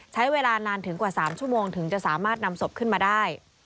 ใช้เวลานานถึงกว่า๓ชั่วโมงถึงจะสามารถนำศพขึ้นมาได้